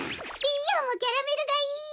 ピーヨンもキャラメルがいい！